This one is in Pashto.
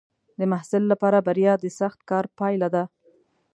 د محصل لپاره بریا د سخت کار پایله ده.